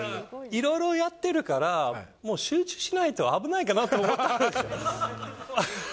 いろいろやってるから、もう集中しないと危ないかなと思ったんですよ。